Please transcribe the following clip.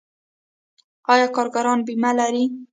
آیا کارګران بیمه لري؟